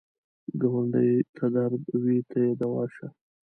که ګاونډي ته درد وي، ته یې دوا شه